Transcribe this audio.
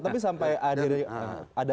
tapi sampai akhirnya ada